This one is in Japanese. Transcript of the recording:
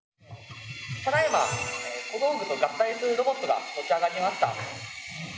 ただいま小道具と合体するロボットが持ち上がりました。